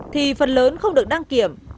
thì phần lớn không được đăng kiểm